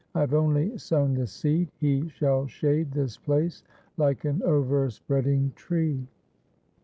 I have only sown the seed ; he shall shade this place like an overspreading tree.'